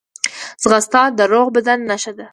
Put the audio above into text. ځغاسته د روغ بدن نښه ده